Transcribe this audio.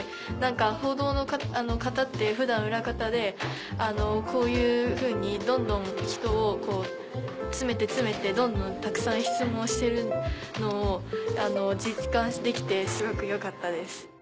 報道の方って普段裏方でこういうふうにどんどん人を詰めて詰めてどんどんたくさん質問してるのを実感できてすごくよかったです。